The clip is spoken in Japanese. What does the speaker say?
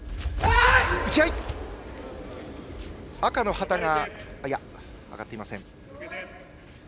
旗は上がっていません。